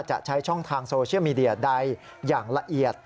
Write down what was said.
จะใช้ช่องทางโซเชียลมีเดียใดอย่างละเอียด